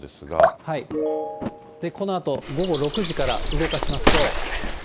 このあと午後６時から動かしますと。